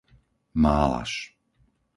Málaš